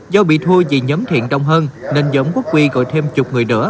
do bị thua vì nhóm thiện đông hơn nên nhóm quốc huy gọi thêm chục người đỡ